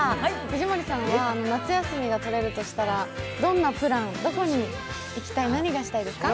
藤森さんは夏休みがとれるとしたらどんなプランどこに行きたい、何がしたいですか？